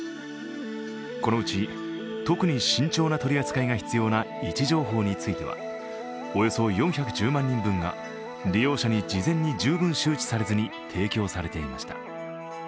このうち特に慎重な取り扱いが必要な位置情報についてはおよそ４１０万人分が利用者に事前に十分周知されずに提供されていました。